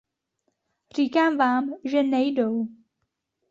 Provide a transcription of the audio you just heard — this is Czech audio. Říkám vám, že nejdou!